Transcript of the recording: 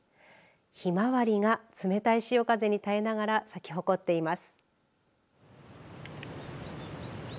ひまわりが冷たい潮風に耐えながら咲き誇っています。